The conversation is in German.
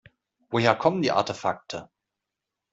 Woher kommen die Artefakte?